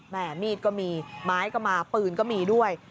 แม่มีดก็มีไม้ก็มาปืนก็มีด้วย